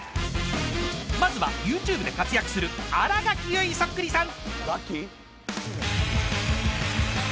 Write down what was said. ［まずはＹｏｕＴｕｂｅで活躍する新垣結衣そっくりさん］